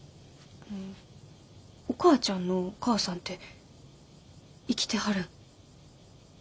あのお母ちゃんのお母さんて生きてはるん？